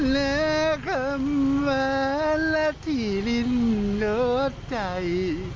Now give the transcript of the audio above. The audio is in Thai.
และคำว่าและที่ลิ้นโน้ตใจ